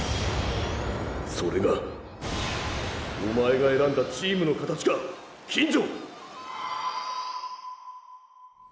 それがおまえが選んだチームの形か金城！